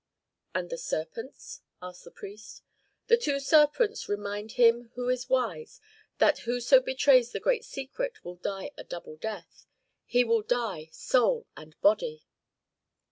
"And the serpents?" asked the priest. "The two serpents remind him who is wise that whoso betrays the great secret will die a double death, he will die soul and body."